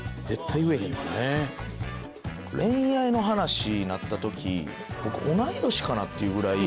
恋愛の話になった時同い年かな？っていうぐらい。